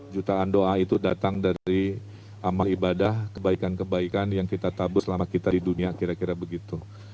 jutaan doa itu datang dari amal ibadah kebaikan kebaikan yang kita tabur selama kita di dunia kira kira begitu